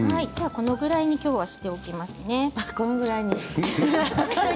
このぐらいにしておきますね。